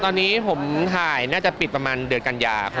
ตอนนี้ผมถ่ายน่าจะปิดประมาณเดือนกันยาครับ